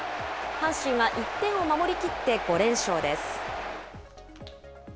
阪神は１点を守り切って５連勝です。